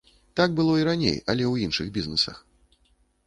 Так было і раней, але ў іншых бізнесах.